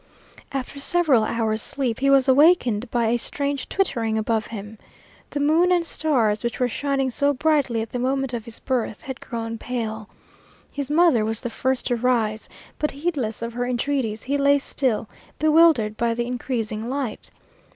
After several hours' sleep he was awakened by a strange twittering above him. The moon and stars, which were shining so brightly at the moment of his birth, had grown pale. His mother was the first to rise, but heedless of her entreaties he lay still, bewildered by the increasing light.